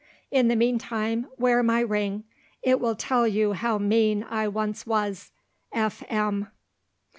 In the meantime, wear my ring. It will tell you how mean I once was. F. M."